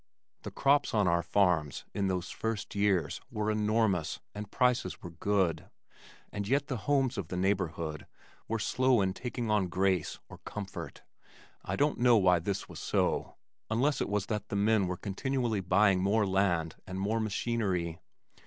The crops on our farms in those first years were enormous and prices were good, and yet the homes of the neighborhood were slow in taking on grace or comfort. I don't know why this was so, unless it was that the men were continually buying more land and more machinery.